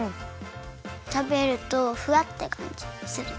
たべるとふわってかんじがする。